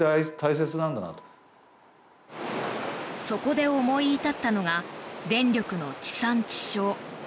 そこで思い至ったのが電力の地産地消。